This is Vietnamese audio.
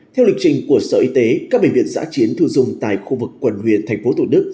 theo lịch trình của sở y tế các bệnh viện giã chiến thu dung tại khu vực quần huyền tp hcm